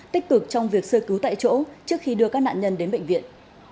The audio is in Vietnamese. tích cực trong việc sơ cứu tại chỗ trước khi đưa các nạn nhân đến bệnh viện